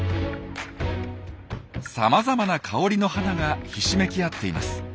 さまざまな香りの花がひしめき合っています。